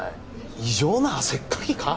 異常な汗っかきか？